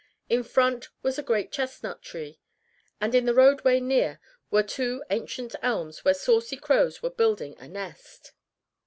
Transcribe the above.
In front was a great chestnut tree, and in the roadway near were two ancient elms where saucy crows were building a nest.